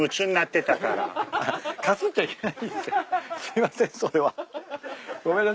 すいません。